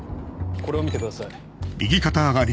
これを見てください。